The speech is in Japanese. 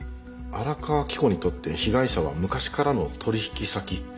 荒川着子にとって被害者は昔からの取引先。